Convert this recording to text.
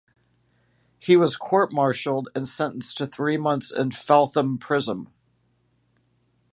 He was court-martialled and sentenced to three months in Feltham Prison.